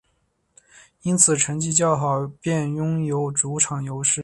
因此成绩较好便拥有主场优势。